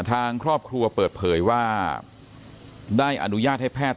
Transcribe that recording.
ทางครอบครัวเปิดเผยว่าได้อนุญาตให้แพทย์